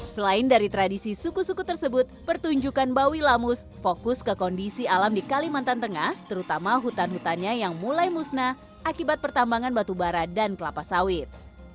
selain dari tradisi suku suku tersebut pertunjukan bawi lamus fokus ke kondisi alam di kalimantan tengah terutama hutan hutannya yang mulai musnah akibat pertambangan batu bara dan kelapa sawit